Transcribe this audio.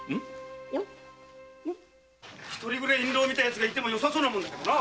おっ⁉一人くらい印籠を見た奴がいてもよさそうなもんだけどな。